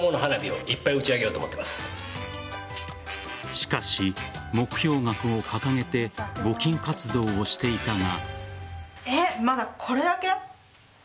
しかし、目標額を掲げて募金活動をしていたが。